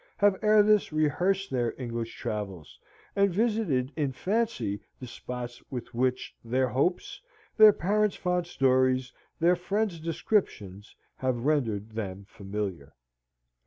have ere this rehearsed their English travels, and visited in fancy the spots with which their hopes, their parents' fond stories, their friends' descriptions, have rendered them familiar.